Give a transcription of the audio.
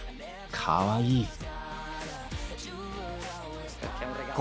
かわいい！